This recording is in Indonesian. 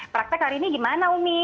praktek hari ini gimana umi